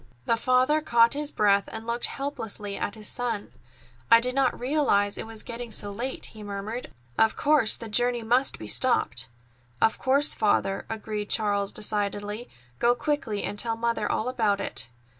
The father caught his breath and looked helplessly at his son. "I did not realize it was getting so late," he murmured. "Of course the journey must be stopped." "Of course, Father," agreed Charles decidedly. "Go quickly and tell Mother all about it.